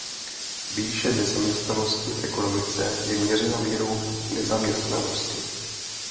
Výše nezaměstnanosti v ekonomice je měřena mírou nezaměstnanosti.